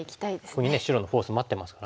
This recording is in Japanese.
ここにね白のフォース待ってますからね。